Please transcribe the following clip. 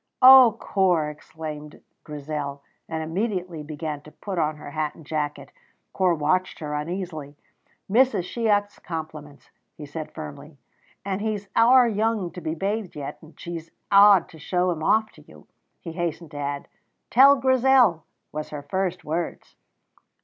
"Oh, Corp!" exclaimed Grizel, and immediately began to put on her hat and jacket. Corp watched her uneasily. "Mrs. Shiach's compliments," he said firmly, "and he's ower young to be bathed yet; but she's awid to show him off to you," he hastened to add. "'Tell Grizel,' was her first words."